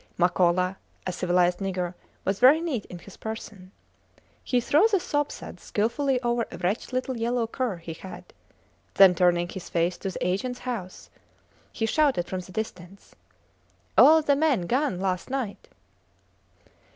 Makola, a civilized nigger, was very neat in his person. He threw the soapsuds skilfully over a wretched little yellow cur he had, then turning his face to the agents house, he shouted from the distance, All the men gone last night!